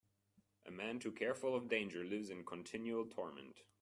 A man too careful of danger lives in continual torment.